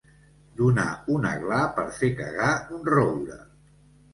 Donar un aglà per fer cagar un roure.